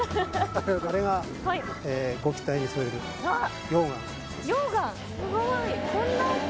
あれがご期待に添える溶岩溶岩？